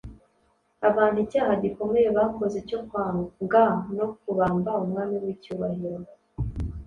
abantu icyaha gikomeye bakoze cyo kwanga no kubamba Umwami w’icyubahiro.